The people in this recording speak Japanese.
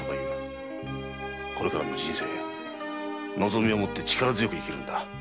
これからの人生望みを持って力強く生きるのだ。